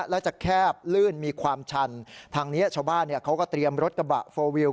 แล้วจะแคบลื่นมีความชันทางนี้ชาวบ้านเขาก็เตรียมรถกระบะโฟลวิว